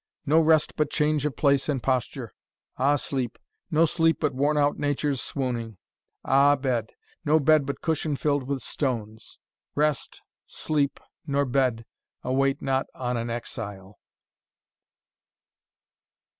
no rest but change of place and posture: Ah sleep! no sleep but worn out Nature's swooning; Ah bed! no bed but cushion fill'd with stones: Rest, sleep, nor bed, await not on an exile.'"